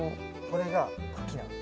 これが茎なの。